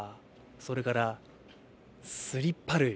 それからスリッパ類